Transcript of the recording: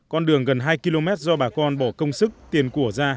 con đường gần hai km do bà con bỏ công sức tiền của ra